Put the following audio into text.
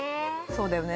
◆そうだよね。